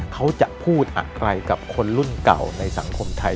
เขาจะพูดอะไรกับคนรุ่นเก่าในสังคมไทย